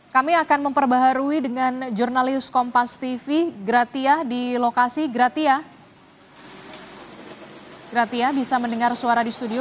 kami akan memperbaharui dengan jurnalis kompas tv gratia di lokasi gratia bisa mendengar suara di studio